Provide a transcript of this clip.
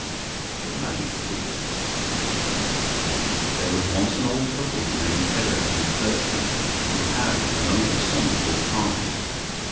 The Magic Book There was once an old couple named Peder and Kirsten who had an only son called Hans.